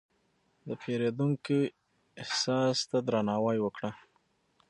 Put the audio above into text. د پیرودونکي احساس ته درناوی وکړه.